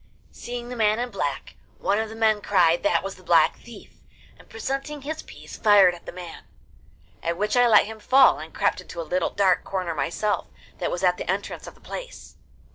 Seeing the man in black, one of the men cried that was the Black Thief, and, presenting his piece, fired at the man, at which I let him fall, and crept into a little dark corner myself, that was at the entrance of the place.